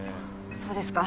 そうですか。